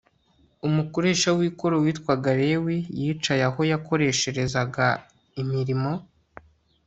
umukoresha w'ikoro witwaga lewi yicaye aho yakoresherezaga imirimo